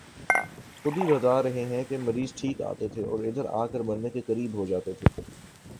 خود ہی بتا رہے ہیں کہ مریض ٹھیک آتے تھے اور ادھر آ کہ مرنے کے قریب ہو جاتے تھے